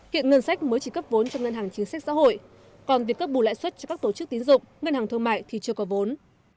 kiện ngân sách mới chỉ cấp vốn cho ngân hàng chính sách xã hội còn việc cấp bù lãi suất cho các tổ chức tín dụng ngân hàng thương mại thì chưa có vốn